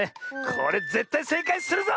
これぜったいせいかいするぞ！